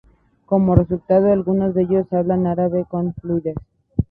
Como resultado, algunos de ellos hablan árabe con fluidez.